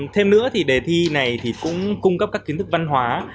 thêm nữa thì đề thi này thì cũng cung cấp các kiến thức văn hóa